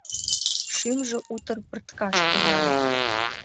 Шӱмжӧ утыр пырткаш тӱҥале.